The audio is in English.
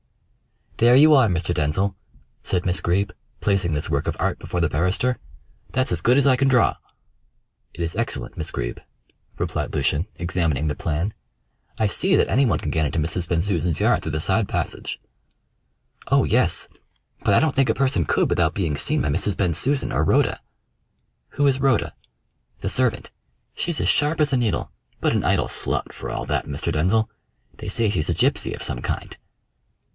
"There you are, Mr. Denzil," said Miss Greeb, placing this work of art before the barrister, "that's as good as I can draw." "It is excellent, Miss Greeb," replied Lucian, examining the plan. "I see that anyone can get into Mrs. Bensusan's yard through the side passage." "Oh, yes; but I don't think a person could without being seen by Mrs. Bensusan or Rhoda." "Who is Rhoda?" "The servant. She's as sharp as a needle, but an idle slut, for all that, Mr. Denzil. They say she's a gypsy of some kind."